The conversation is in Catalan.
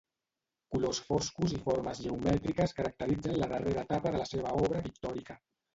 Colors foscos i formes geomètriques caracteritzen la darrera etapa de la seva obra pictòrica.